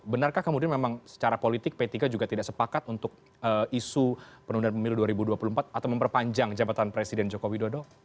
benarkah kemudian memang secara politik p tiga juga tidak sepakat untuk isu penundaan pemilu dua ribu dua puluh empat atau memperpanjang jabatan presiden joko widodo